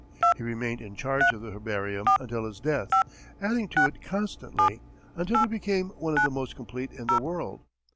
He remained in charge of the herbarium until his death, adding to it constantly, until it became one of the most complete in the world.